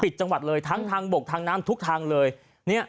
จังหวัดเลยทั้งทางบกทางน้ำทุกทางเลยเนี่ย